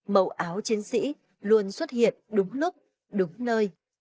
màu áo chiến sĩ luôn xuất hiện đúng lúc đúng nơi